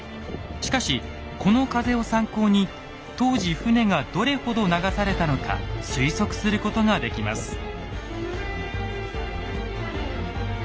しかしこの風を参考に当時船がどれほど流されたのか推測することができます。